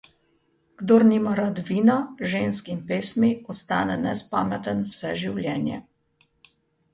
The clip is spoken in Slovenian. Kdor nima rad vina, žensk in pesmi, ostane nespameten vse življenje.